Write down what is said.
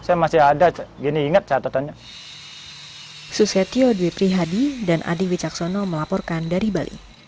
saya masih ada gini ingat catatannya